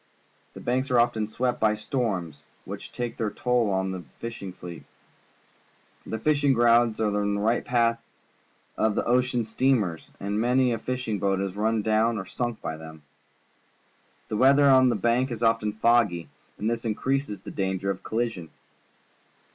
The Banks are often swept by storms, which take tlieir toll of the fishing fleet. The fishing grounds are right in the path of the ocean steamers, and many a fish ing boat is run down and sunk by them. The weather on the Banks is often foggy, and this increases the danger of colli sion.